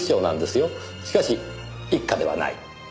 しかし一課ではない。